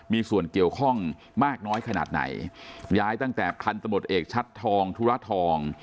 มีส่วนเกี่ยวข้องมากน้อยขนาดไหนย้ายตั้งแต่พันธมตเอกชัดทองธุระทอง